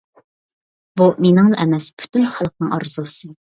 بۇ مېنىڭلا ئەمەس، پۈتۈن خەلقنىڭ ئارزۇسى.